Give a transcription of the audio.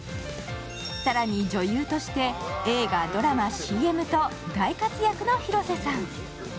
更に、女優として映画、ドラマ、ＣＭと大活躍の広瀬さん。